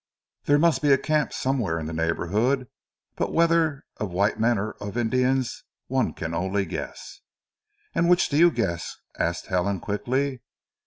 There must be a camp somewhere in the neighbourhood, but whether of white men or of Indians one can only guess." "And which do you guess?" asked Helen quickly.